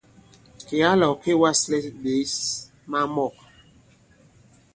Kèga là ɔ̀ kê wa᷇slɛ ɓěs maŋ mɔ̂k.